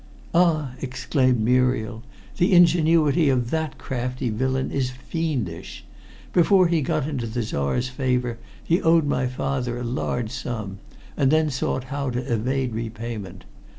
"Ah!" exclaimed Muriel. "The ingenuity of that crafty villain is fiendish. Before he got into the Czar's favor he owed my father a large sum, and then sought how to evade repayment.